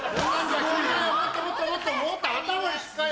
もっともっともっともっと頭しっかり当てて。